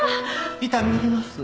痛み入ります。